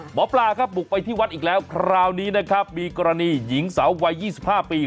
หมอปลาครับบุกไปที่วัดอีกแล้วคราวนี้นะครับมีกรณีหญิงสาววัย๒๕ปี